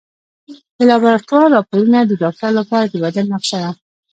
د لابراتوار راپورونه د ډاکټر لپاره د بدن نقشه ده.